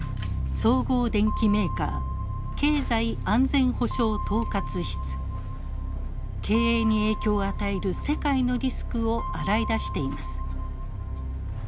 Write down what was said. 総合電機メーカー経営に影響を与える世界のリスクを洗い出しています。